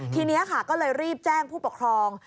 ทีนี้ค่ะก็เลยรีบแจ้งผู้ปกครอง